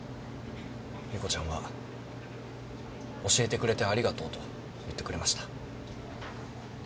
莉子ちゃんは教えてくれてありがとうと言ってくれました。